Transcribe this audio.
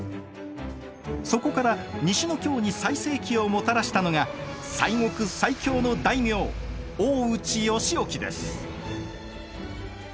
そこから西の京に最盛期をもたらしたのが西国最強の大名大内義興です。